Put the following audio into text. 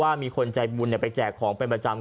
ฟังเสียงคนที่ไปรับของกันหน่อย